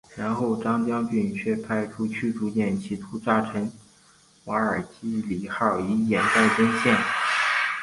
然后张将军却派出驱逐舰企图炸沉瓦尔基里号以掩盖真相。